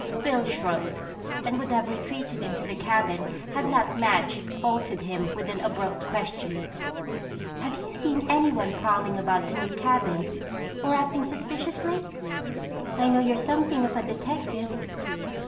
Bill shrugged and would have retreated into the cabin had not Madge halted him with an abrupt question. "Have you seen anyone prowling about the new cabin or acting suspiciously? I know you're something of a detective.